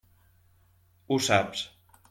Ho saps.